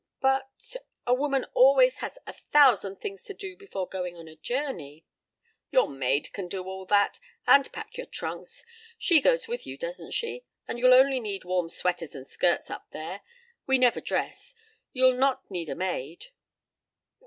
But a woman always has a thousand things to do before going on a journey " "Your maid can do all that. And pack your trunks. She goes with you, doesn't she? And you'll only need warm sweaters and skirts up there. We never dress. You'll not need a maid."